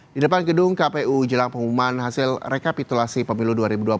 di depan gedung kpu jelang pengumuman hasil rekapitulasi pemilu dua ribu dua puluh empat